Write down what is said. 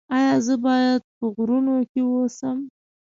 ایا زه باید په غرونو کې اوسم؟